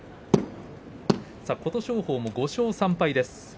琴勝峰も５勝３敗です。